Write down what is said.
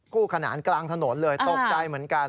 กู้ขนาดกลางถนนตกใจเหมือนกัน